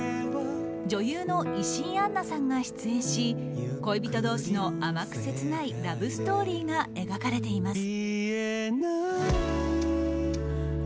女優の石井杏奈さんが出演し恋人同士の甘く切ないラブストーリーが描かれています。